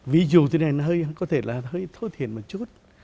ví dụ thế này nó có thể là hơi thối thiện một chút